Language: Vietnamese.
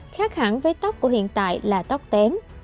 khác hẳn với tóc của hiện tại là tóc kém